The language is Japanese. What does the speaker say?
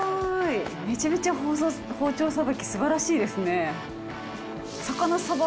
めちゃめちゃ包丁捌きすばらしいですね。